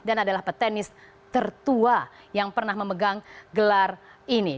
dan adalah petenis tertua yang pernah memegang gelar ini